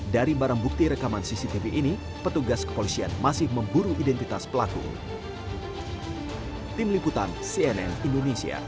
dari barang bukti rekaman cctv ini petugas kepolisian masih memburu identitas pelaku